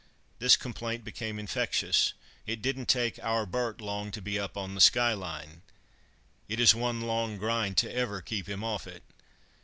This complaint became infectious. It didn't take "Our Bert" long to be up on the skyline (it is one long grind to ever keep him off it).